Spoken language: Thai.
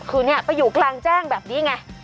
คือเนี่ยไปอยู่กลางแจ้งแบบนี้ไง